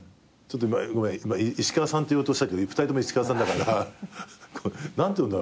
今ごめん「石川さん」って言おうとしたけど２人とも石川さんだから何て呼んだらいいだろう？